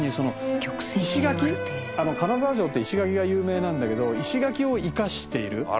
金沢城って石垣が有名なんだけど石垣を生かしている。